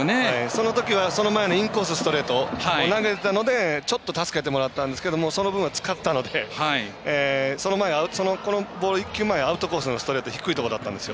そのときはその前のインコースストレート投げたのでちょっと助けてもらったんですがその分は使ったのでその前、このボール１球前アウトコースのストレート低いところだったんです。